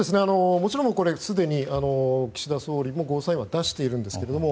もちろんすでに岸田総理もゴーサインは出しているんですけれども。